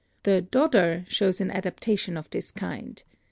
The idodder shows an adaptation of this kind.